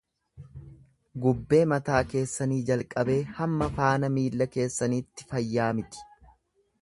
Gubbee mataa keessanii jalqabee hamma faana miilla keessaniitti fayyaa miti.